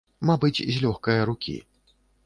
Мабыць, з лёгкае рукі.